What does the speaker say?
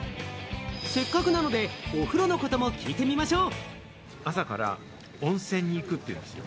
せっかくなので、お風呂のことも聞いてみましょう。